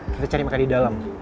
kita cari makan di dalam